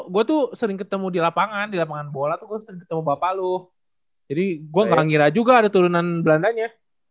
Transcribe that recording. gua tuh sering ketemu di lapangan di lapangan bola tuh gua sering ketemu bapak lu jadi gua nggak ngira juga ada turunan belandanya